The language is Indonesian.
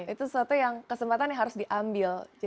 itu sesuatu yang kesempatan yang harus diambil